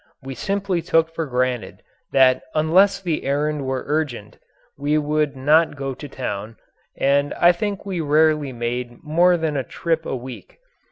We simply took for granted that unless the errand were urgent we would not go to town, and I think we rarely made more than a trip a week.